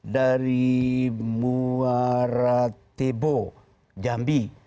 dari muaratebo jambi